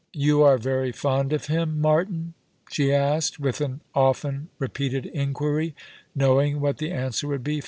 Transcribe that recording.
" You are very fond of him, Martin ?" she asked, with an often repeated inquiry, knowing v/hat the answer would be.